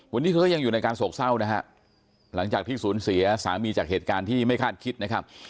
วันนี้เธอก็ยังอยู่ในการโศกเศร้านะฮะหลังจากที่สูญเสียสามีจากเหตุการณ์ที่ไม่คาดคิดนะครับ